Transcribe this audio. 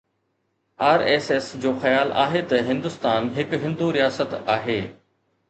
R S S جو خيال آهي ته هندستان هڪ هندو رياست آهي